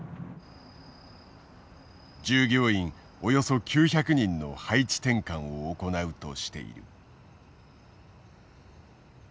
従業員およそ９００人の配置転換を行うとしている。